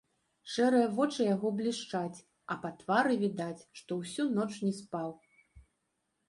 Шэрыя вочы яго блішчаць, а па твары відаць, што ўсю ноч не спаў.